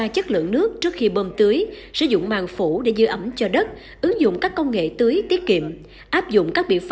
cây lâu năm nuôi trồng thủy sản với những biện pháp chủ động ứng phó với biến đổi khí hậu được áp dụng